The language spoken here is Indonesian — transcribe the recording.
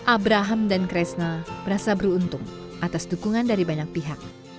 abraham dan kresna merasa beruntung atas dukungan dari banyak pihak